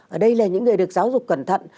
ở đây là những người được giáo dục cẩn thận